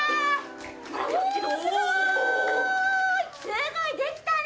すごい！できたね。